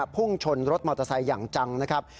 พุ่งชนรถมอเตอร์ไซค์อย่างจังนะครับ